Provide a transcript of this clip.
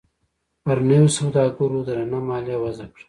پر نویو سوداګرو درنه مالیه وضعه کړه.